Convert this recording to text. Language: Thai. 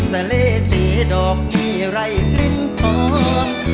สะเลเตะดอกมีไร้กลิ่นฟอง